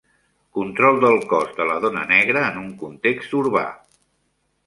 Control del cos de la dona negra en un context urbà.